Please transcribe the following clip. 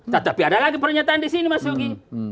tetapi ada lagi pernyataan di sini mas yogi